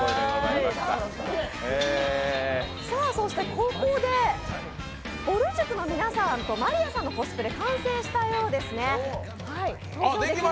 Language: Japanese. ここで、ぼる塾の皆さんと真莉愛さんのコスプレ完成したようですね！